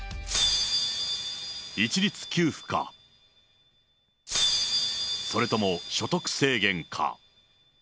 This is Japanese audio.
一律給付か、それとも所得制限か。